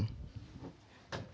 selamat siang ibu